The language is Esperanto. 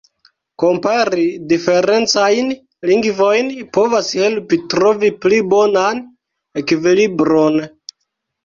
Kompari diferencajn lingvojn povas helpi trovi pli bonan ekvilibron.